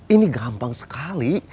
ini gampang sekali